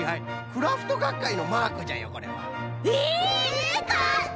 クラフトがっかいのマークじゃよこれは。えかっこいい！